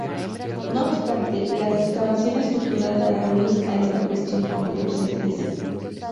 No obstante las excavaciones futuras darán luz a esta cuestión con mayor certeza.